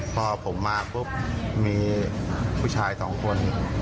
พอผมมาปุ๊บมีผู้ชายสองคน